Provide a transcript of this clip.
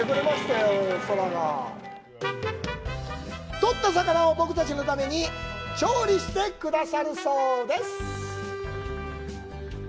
取った魚を、僕たちのために調理してくださるそうです。